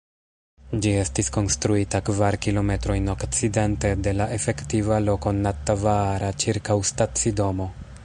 Ĝi estis konstruita kvar kilometrojn okcidente de la efektiva loko Nattavaara ĉirkaŭ stacidomo.